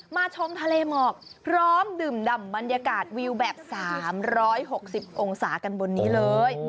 ชมทะเลหมอกพร้อมดื่มดำบรรยากาศวิวแบบ๓๖๐องศากันบนนี้เลย